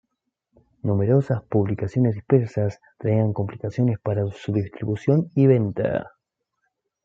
Numerosas publicaciones dispersas traían complicaciones para su distribución y venta.